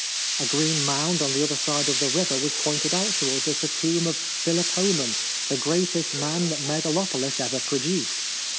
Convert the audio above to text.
A green mound on the other side of the river was pointed out to us as the tomb of Philopoe men, the greatest man that Me galopolis ever produced.